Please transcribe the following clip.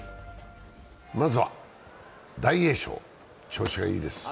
なずは大栄翔、調子がいいです。